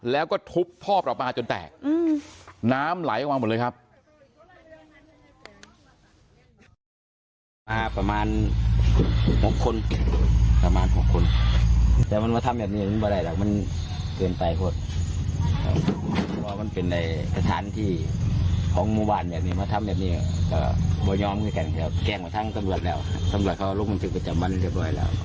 แล้วก็ทุบท่อประปาจนแตกน้ำไหลออกมาหมดเลยครับ